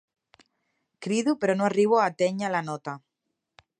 Crido però no arribo a atènyer la nota.